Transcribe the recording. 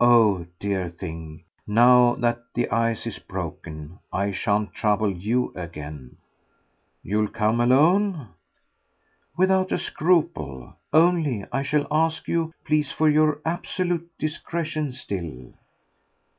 "Oh, dear thing, now that the ice is broken I shan't trouble YOU again." "You'll come alone?" "Without a scruple. Only I shall ask you, please, for your absolute discretion still."